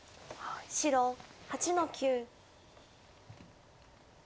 白８の九。